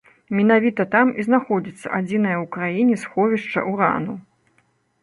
Менавіта там і знаходзіцца адзінае ў краіне сховішча ўрану.